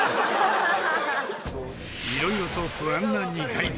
いろいろと不安な二階堂。